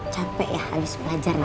capek ya habis belajar lah